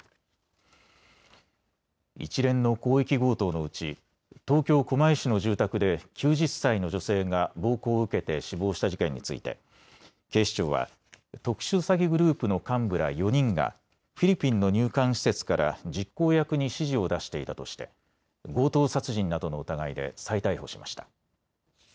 一連の広域強盗のうち東京狛江市の住宅で９０歳の女性が暴行を受けて死亡した事件について警視庁は特殊詐欺グループの幹部ら４人がフィリピンの入管施設から実行役に指示を出していたとして強盗殺人などの疑いで再逮捕しました。